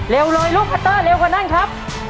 เร็วเลยลูกคัตเตอร์เร็วกว่านั้นครับ